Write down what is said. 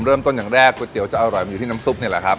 เริ่มต้นอย่างแรกก๋วยเตี๋ยวจะอร่อยมันอยู่ที่น้ำซุปนี่แหละครับ